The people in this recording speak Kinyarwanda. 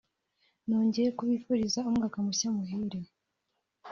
nongeye kubifuriza umwaka mushya muhire